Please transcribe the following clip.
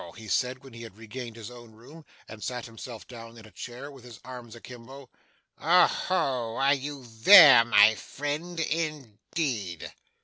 he said when he had regained his own room, and sat himself down in a chair with his arms akimbo. 'Oho! Are you there, my friend? In deed!